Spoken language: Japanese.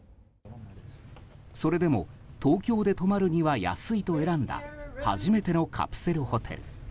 それでも東京で泊まるには安いと選んだ初めてのカプセルホテル。